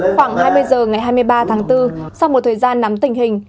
khoảng hai mươi h ngày hai mươi ba tháng bốn sau một thời gian nắm tình hình